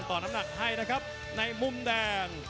น้ำหนักให้นะครับในมุมแดง